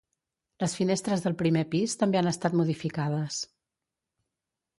Les finestres del primer pis també han estat modificades.